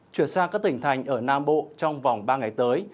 chuyển sang các tỉnh thành ở nam bộ trong vòng ba ngày tới